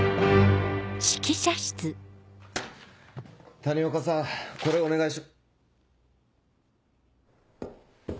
谷岡さんこれお願いし。